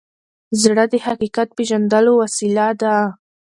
زړه د حقیقت پیژندلو وسیله ده.